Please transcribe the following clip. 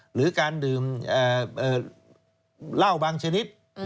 หรือการดื่มเหล้าบางชนิด